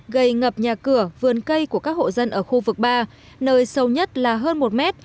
gây ngập nhà cửa vườn cây của các hộ dân ở khu vực ba nơi sâu nhất là hơn một mét